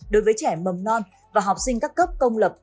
đối với trẻ mầm non và học sinh các cấp công lập